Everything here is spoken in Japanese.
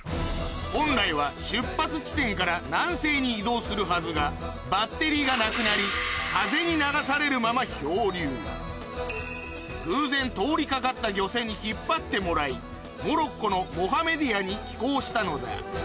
本来は出発地点から南西に移動するはずがバッテリーがなくなり風に流されるまま漂流偶然通りかかった漁船に引っ張ってもらいモロッコのモハメディアに寄港したのだ